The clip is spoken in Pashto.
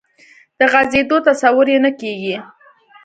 د غځېدو تصور یې نه کېږي.